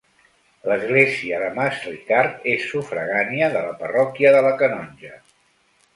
L'església de Masricard és sufragània de la parròquia de la Canonja.